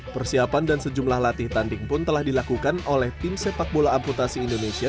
persiapan dan sejumlah latih tanding pun telah dilakukan oleh tim sepak bola amputasi indonesia